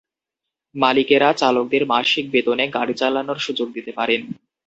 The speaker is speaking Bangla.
মালিকেরা চালকদের মাসিক বেতনে গাড়ি চালানোর সুযোগ দিতে পারেন।